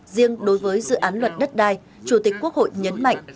riêng đối với dự án luật đất đai chủ tịch quốc hội nhấn mạnh